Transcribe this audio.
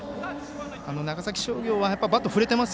長崎商業はバットを振れています。